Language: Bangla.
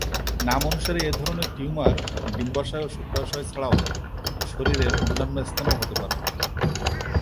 নাম অনুসারে এ ধরনের টিউমার ডিম্বাশয় ও শুক্রাশয় ছাড়াও শরীরের অন্যান্য স্থানেও হতে পারে।